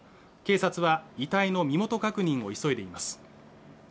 警察は遺体の身元確認を急いでいます